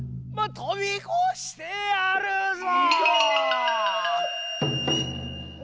飛び越してやるぞ！